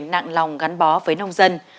nặng lòng gắn bó với nông dân